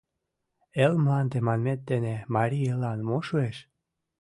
Эл-мланде манмет дене марий эллан мо шуэш?